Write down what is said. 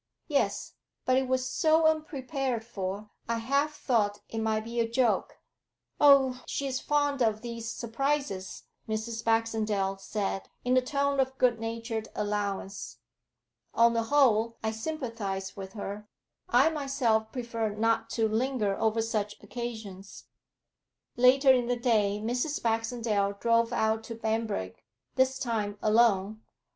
'Yes. But it was So unprepared for, I half thought it might be a joke.' 'Oh, she's fond of these surprises,' Mrs. Baxendale said, in a tone of good natured allowance. 'On the whole I sympathise with her; I myself prefer not to linger over such occasions.' Later in the day Mrs. Baxendale drove out to Banbrigg, this time alone.